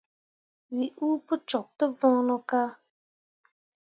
We uu pǝ cok tǝ voŋno ka.